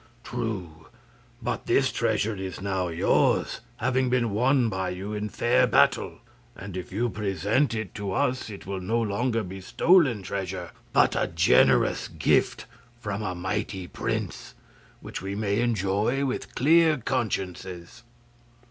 "True; but this treasure is now yours, having been won by you in fair battle. And if you present it to us it will no longer be stolen treasure, but a generous gift from a mighty prince, which we may enjoy with clear consciences."